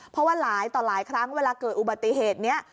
เพราะว่าหลายต่อหลายครั้งเวลาเกิดอุบัติเหตุนี้